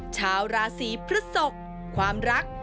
ชาวราศีพฤศกความรัก